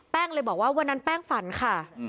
เลยบอกว่าวันนั้นแป้งฝันค่ะ